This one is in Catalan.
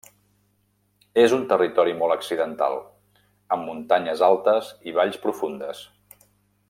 És un territori molt accidental, amb muntanyes altes i valls profundes.